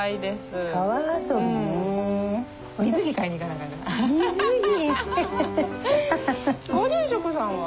ご住職さんは？